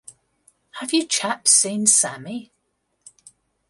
Have you chaps seen Sammy?